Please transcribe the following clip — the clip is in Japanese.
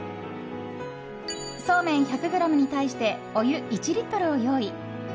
そうめん１００ｇに対してお湯１リットルを用意。